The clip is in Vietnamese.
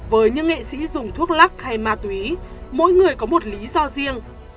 với những nghệ sĩ dùng thuốc lắc hay ma túy mỗi người có một lý do riêng